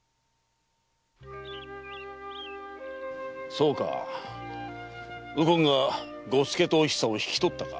そうか右近が伍助とおひさを引き取ったか。